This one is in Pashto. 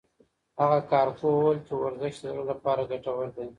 هغه کارپوه وویل چې ورزش د زړه لپاره ګټور دی.